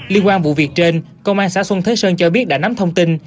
liên quan vụ việc trên công an xã xuân thế sơn cho biết đã nắm thông tin